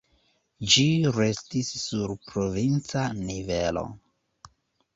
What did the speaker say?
Ĝi restis sur provinca nivelo.